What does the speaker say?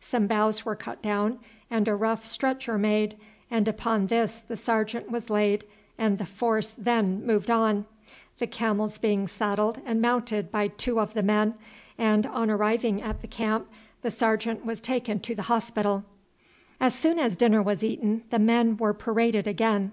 Some boughs were cut down and a rough stretcher made, and upon this the sergeant was laid and the force then moved on, the camels being saddled and mounted by two of the men, and on arriving at the camp the sergeant was taken to the hospital. As soon as dinner was eaten the men were paraded again.